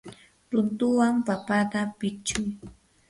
runtuwan papata pichuy.